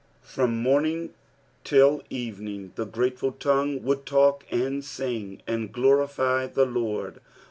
Tntai morning till evening the grateful tongae would talk and siiig, snd gloriff the Loid.